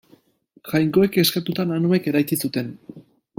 Jainkoek eskatuta nanoek eraiki zuten.